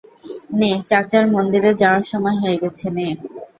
নে, চাচার মন্দিরে যাওয়ার সময় হয়ে গেছে, নে।